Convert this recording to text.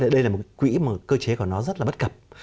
đây là một cái quỹ mà cơ chế của nó rất là bất cập